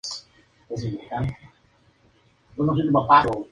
El incidente induce a Patrick a dejar su pueblo sin tener dónde ir.